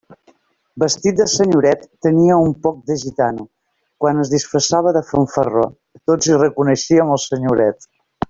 Vestit de senyoret, tenia un poc de gitano; quan es disfressava de fanfarró, tots hi reconeixien el senyoret.